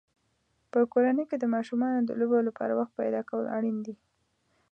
په کورنۍ کې د ماشومانو د لوبو لپاره وخت پیدا کول اړین دي.